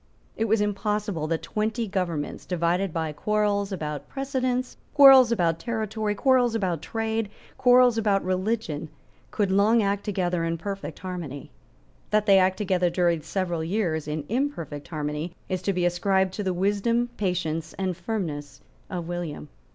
It was impossible that twenty governments, divided by quarrels about precedence, quarrels about territory, quarrels about trade, quarrels about religion, could long act together in perfect harmony. That they acted together during several years in imperfect harmony is to be ascribed to the wisdom, patience and firmness of William.